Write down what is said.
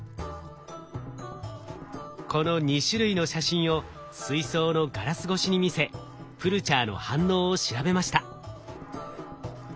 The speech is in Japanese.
この２種類の写真を水槽のガラス越しに見せプルチャーの反応を調べました。